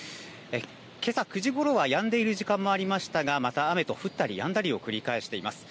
けさ９時ごろはやんでいる時間もありましたがまた雨と、降ったりやんだりを繰り返してます。